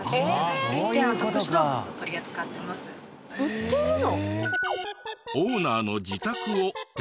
売ってるの！？